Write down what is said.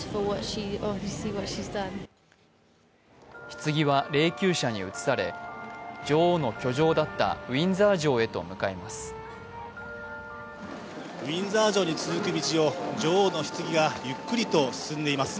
ひつぎは霊きゅう車に移され、女王の居城だったウィンザー城へと向かいます。